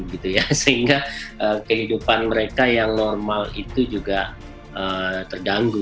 sehingga kehidupan mereka yang normal itu juga terganggu